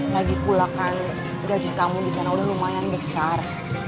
lagi pula kan gaji kamu disana udah lumayan besar